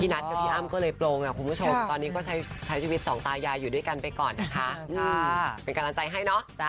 มันก็เป็นสัตว์ธรรมนี้สุดท้ายชีวิตมันอยู่แค่นี้